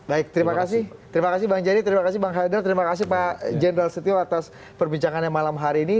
baik terima kasih terima kasih bang jerry terima kasih bang haidar terima kasih pak jendral setio atas perbincangannya malam hari ini